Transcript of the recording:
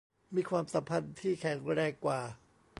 มีความสัมพันธ์ที่แข็งแรงกว่า